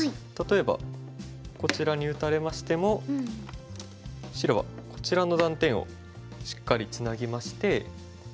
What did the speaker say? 例えばこちらに打たれましても白はこちらの断点をしっかりツナぎまして。